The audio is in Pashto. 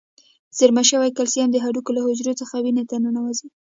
زیرمه شوي کلسیم د هډوکو له حجرو څخه وینې ته ننوزي.